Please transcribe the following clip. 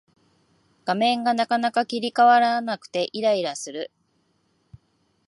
画面がなかなか切り替わらなくてイライラする